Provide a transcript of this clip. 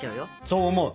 そう思う。